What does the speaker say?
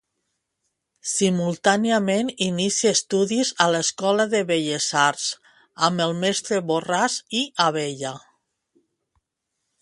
Simultàniament inicià estudis a l'Escola de Belles Arts amb el mestre Borràs i Abella.